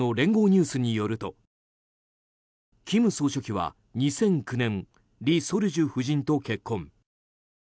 ニュースによると金総書記は２００９年リ・ソルジュ夫人と結婚。